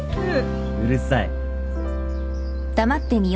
うるさい。